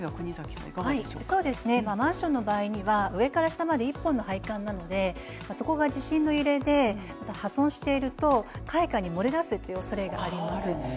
マンションの場合には上から下まで１本の配管なのでそこが地震の揺れで破損していると階下に漏れ出すというおそれがあります。